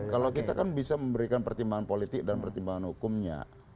kalau kita kan bisa memberikan pertimbangan politik dan pertimbangan hukumnya